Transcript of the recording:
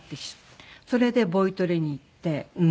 それでボイトレに行って。